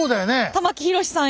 玉木宏さん